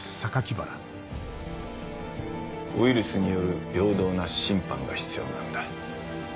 ウイルスによる平等な審判が必要なんだ。